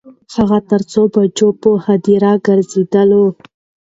هغه تر څو بجو په هدیرې ګرځیدلی و.